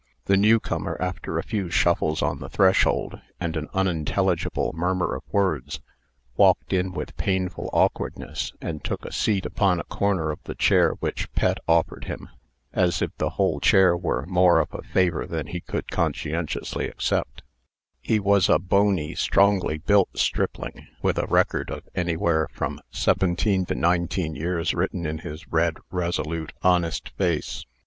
The new comer, after a few shuffles on the threshold, and an unintelligible murmur of words, walked in with painful awkwardness, and took a seat upon a corner of the chair which Pet offered him, as if the whole chair were more of a favor than he could conscientiously accept; He was a bony, strongly built stripling, with a record of anywhere from seventeen to nineteen years written in his red, resolute, honest face.